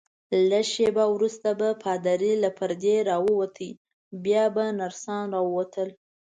لږ شیبه وروسته به پادري له پردې راووت، بیا به نرسان راووتل.